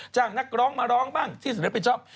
จ้างนักร้องมาร้องบ้างที่สำเร็จเป็นชอบ